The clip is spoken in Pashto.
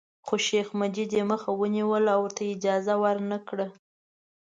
خو شیخ مجید یې مخه ونیوله او ورته یې اجازه ورنکړه.